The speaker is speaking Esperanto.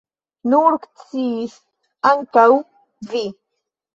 Nun eksciis ankaŭ vi.